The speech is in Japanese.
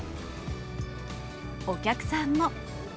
お客さんも。